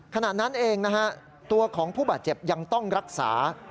ขณะนั้นเองนะฮะตัวของผู้บาดเจ็บยังต้องรักษา